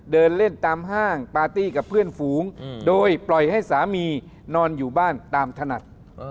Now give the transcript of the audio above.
เดินเล่นตามห้างปาร์ตี้กับเพื่อนฝูงโดยปล่อยให้สามีนอนอยู่บ้านตามถนัด